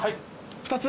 ２つ。